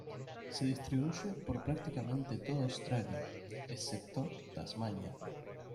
Se distribuye por prácticamente toda Australia excepto Tasmania.